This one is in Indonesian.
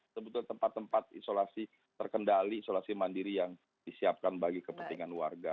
sebetulnya tempat tempat isolasi terkendali isolasi mandiri yang disiapkan bagi kepentingan warga